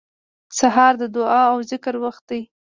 سهار د دعا او ذکر وخت دی.